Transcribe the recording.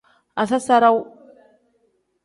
Asasarawu.